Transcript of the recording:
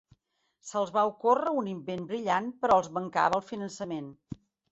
Se'ls va ocórrer un invent brillant però els mancava el finançament.